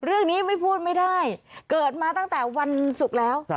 เรื่องนี้ไม่พูดไม่ได้เกิดมาตั้งแต่วันศุกร์แล้ว